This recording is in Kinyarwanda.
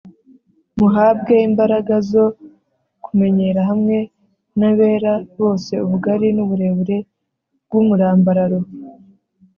muhabwe imbaraga zo kumenyera hamwe n'abera bose ubugari, n'uburebure bw'umurambararo,